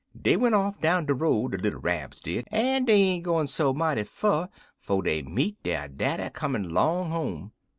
"Dey went off down de road, de little Rabs did, en dey ain't gone so mighty fur 'fo' dey meet der daddy comin' 'long home.